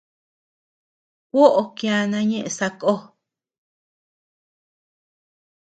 Kuoʼo kiana ñeʼe sakó.